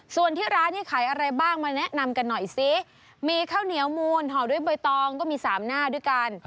ส่วนที่ร้านนี้ขายอะไรบ้างมาแนะนำกันหน่อยซิมีข้าวเหนียวมูลห่อด้วยใบตองก็มีสามหน้าด้วยกัน